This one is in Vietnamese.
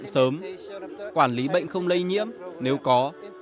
sớm quản lý bệnh không lấy nhiễm nếu có